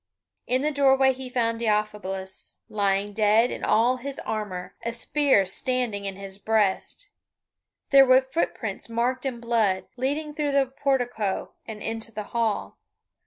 In the doorway he found Deiphobus lying dead in all his armour, a spear standing in his breast. There were footprints marked in blood, leading through the portico and into the hall.